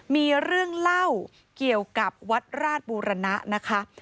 มีเรื่องเล่าเกี่ยวกับวัดราชบูรณะนะคะ